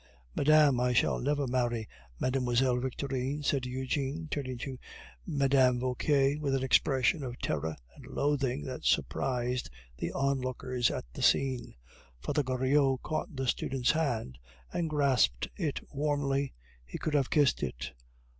"Madame, I shall never marry Mlle. Victorine," said Eugene, turning to Mme. Vauquer with an expression of terror and loathing that surprised the onlookers at this scene. Father Goriot caught the student's hand and grasped it warmly. He could have kissed it.